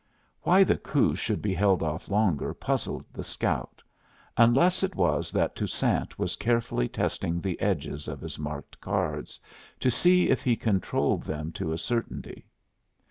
Why the coup should be held off longer puzzled the scout, unless it was that Toussaint was carefully testing the edges of his marked cards to see if he controlled them to a certainty.